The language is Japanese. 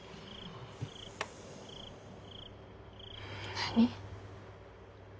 何？